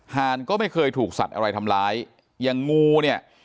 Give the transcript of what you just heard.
หานก็ไม่เคยถูกสัตว์อะไรทำร้ายอย่างงูเนี่ย